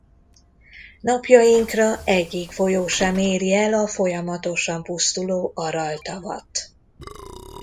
Napjainkra egyik folyó sem éri el a folyamatosan pusztuló Aral-tavat.